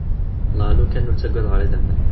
Wellah alukan ur ttagadeɣ ara idamen.